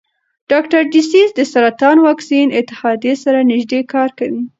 ډاکټر ډسیس د سرطان واکسین اتحادیې سره نژدې کار کوي.